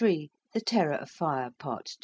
THE TERROR OF FIRE. PART II.